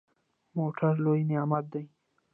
موټر لوی نعمت دی.